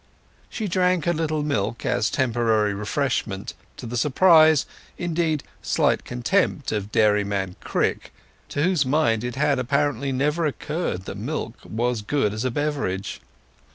She drank a little milk as temporary refreshment—to the surprise—indeed, slight contempt—of Dairyman Crick, to whose mind it had apparently never occurred that milk was good as a beverage.